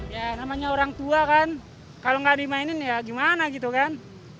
ya namanya orang tua kan kalau nggak dimainin ya gimana gitu kan